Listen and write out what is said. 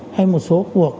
hay một số đối tượng phản động